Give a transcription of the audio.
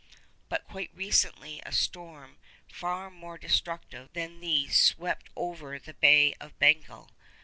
But quite recently a storm far more destructive than these swept over the Bay of Bengal.